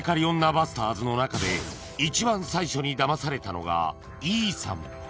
バスターズの中で一番最初にダマされたのがＥさん